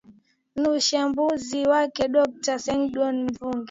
ni uchambuzi wake dokta sengondo mvungi